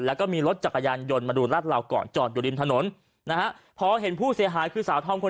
แล้วก็มีรถจักรยานยนต์มาดูรัดเราก่อนจอดอยู่ริมถนนนะฮะพอเห็นผู้เสียหายคือสาวธอมคน